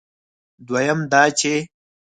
دویم دا چې